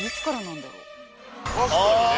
確かにね。